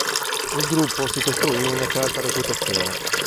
Il gruppo si costruì una certa reputazione.